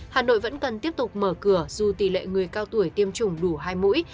hà nội vẫn cần tiếp tục mở cửa dù tỷ lệ người cao tuổi tiêm chủng đủ hai mũi